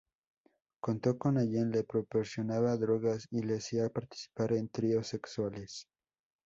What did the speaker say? Contó que Allen le proporcionaba drogas y la hacía participar en tríos sexuales.